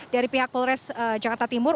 dari pihak polres jakarta timur